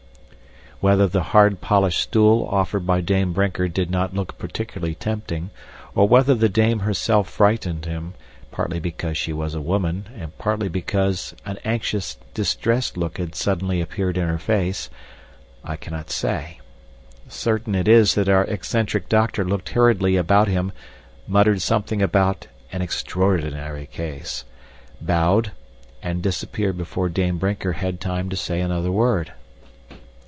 Whether the hard polished stool offered by Dame Brinker did not look particularly tempting, or whether the dame herself frightened him, partly because she was a woman, and partly because an anxious, distressed look had suddenly appeared in her face, I cannot say. Certain it is that our eccentric doctor looked hurriedly about him, muttered something about "an extraordinary case," bowed, and disappeared before Dame Brinker had time to say another word.